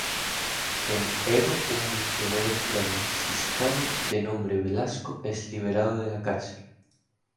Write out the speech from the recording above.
En Edo un misionero franciscano, de nombre Velasco, es liberado de la cárcel.